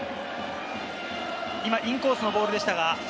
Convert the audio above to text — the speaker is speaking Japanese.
今、インコースのボールでしたが。